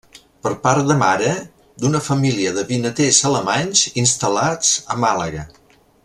Per part de mare, d'una família de vinaters alemanys instal·lats a Màlaga.